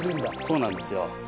そうなんですよ。